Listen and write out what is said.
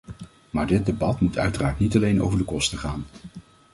Maar dit debat moet uiteraard niet alleen over de kosten gaan.